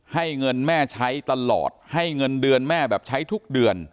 ให้เงินแม่ใช้ตลอดให้เงินเดือนแม่แบบใช้ทุกเดือน